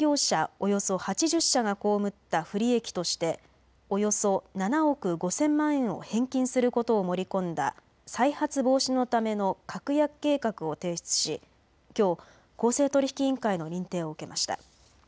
およそ８０社が被った不利益としておよそ７億５０００万円を返金することを盛り込んだ再発防止のための確約計画を提出しきょう公正取引委員会の認定を受けました。